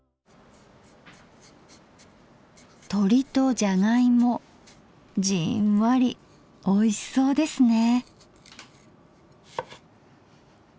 とりとじゃがいもじんわりおいしそうですね。